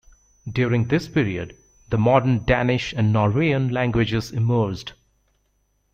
During this period, the modern Danish and Norwegian languages emerged.